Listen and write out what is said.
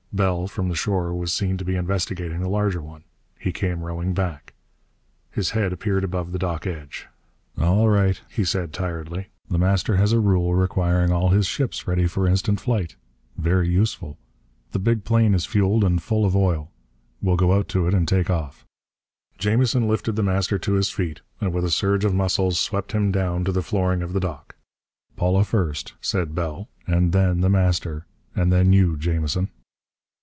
Bell, from the shore, was seen to be investigating the larger one. He came rowing back. His head appeared above the dock edge. "All right," he said tiredly. "The Master has a rule requiring all his ships ready for instant flight. Very useful. The big plane is fueled and full of oil. We'll go out to it and take off." Jamison lifted The Master to his feet and with a surge of muscles swept him down to the flooring of the dock. "Paula first," said Bell, "and then The Master, and then you, Jamison."